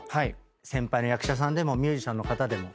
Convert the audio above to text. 先輩の役者さんでもミュージシャンの方でも。